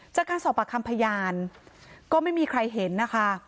จากการสอบปากคำพยานก็ไม่มีใครเห็นนะคะ